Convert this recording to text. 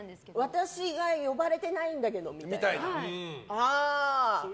私が呼ばれていないんだけどみたいな。